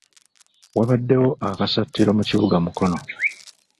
Wabaddewo akasattiro mu kibuga Mukono.